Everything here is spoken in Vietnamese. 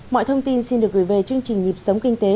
mọi thông tin xin được gửi về chương trình nhịp sống kinh tế